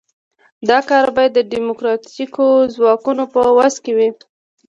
دا کار باید د ډیموکراتیکو ځواکونو په وس کې وي.